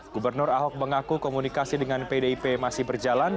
gubernur ahok mengaku komunikasi dengan pdip masih berjalan